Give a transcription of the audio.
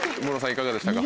いかがでしたか？